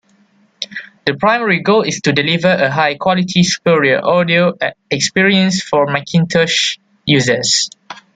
The primary goal is to deliver a high-quality, superior audio experience for Macintosh users.